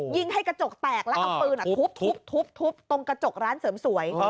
ยิงให้กระจกแตกแล้วเอาปืนทุบตรงกระจกร้านเสริมสวย